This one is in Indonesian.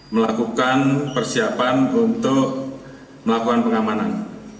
melakukan persiapan untuk melakukan pengamanan